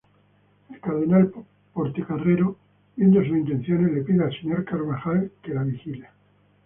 El cardenal Portocarrero, viendo sus intenciones, le pide al señor Carvajal que la vigile.